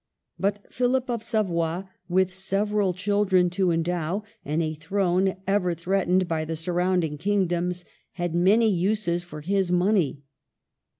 But Philip of Savoy, with several children to endow, and a throne ever threatened by the surrounding king doms, had many uses for his money.